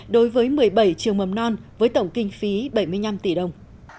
đối với một mươi bảy trường mầm non với tổng kinh phí bảy mươi năm tỷ đồng